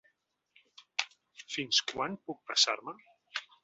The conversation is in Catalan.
Fins quan puc passar-me?